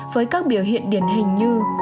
với các biểu hiện điển hình như